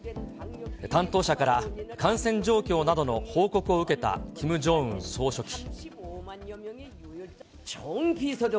担当者から、感染状況などの報告を受けたキム・ジョンウン総書記。